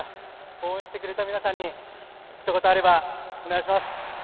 応援してくれた皆さんにひと言あればお願いします。